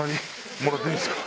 もらっていいんですか？